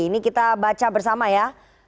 ini kita baca bersama ya